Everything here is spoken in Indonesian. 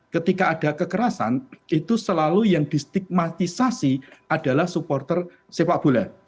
ketika ada kekerasan itu selalu yang distigmatisasi adalah supporter sepak bola